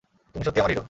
তুমি সত্যিই আমার হিরো।